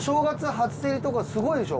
初競りとかすごいでしょ？